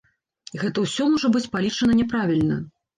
Гэта ўсё можа быць палічана няправільна.